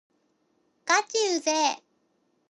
がちうぜぇ